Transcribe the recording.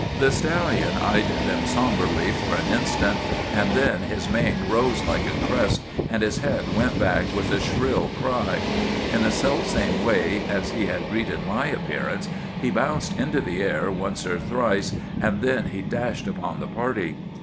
"The stallion eyed them sombrely for an instant; and then his mane rose like a crest, and his head went back with a shrill cry. In the self same way as he had greeted my appearance he bounced into the air twice or thrice, and then he dashed upon the party.